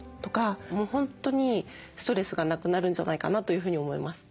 もう本当にストレスがなくなるんじゃないかなというふうに思います。